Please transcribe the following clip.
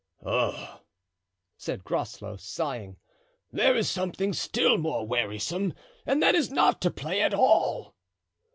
"Ah!" said Groslow, sighing; "there is something still more wearisome, and that is not to play at all."